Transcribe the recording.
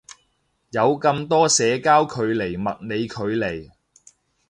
有咁多社交距離物理距離